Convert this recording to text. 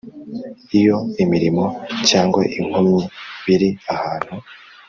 Iyo imirimo cyangwa inkomyi biri ahantu